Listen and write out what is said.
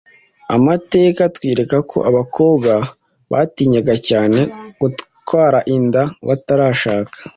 Amateka atwereka ko abakobwa batinyaga cyane gutwara inda batarashaka